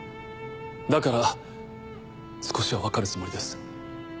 だから少しは分かるつもりです。